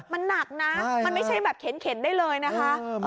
มันหนักนะมันไม่ใช่แบบเข็นได้เลยนะคะ